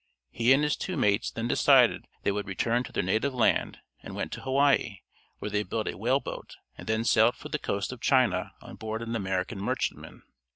He and his two mates then decided that they would return to their native land, and went to Hawaii, where they built a whale boat, and then sailed for the coast of China on board an American merchantman.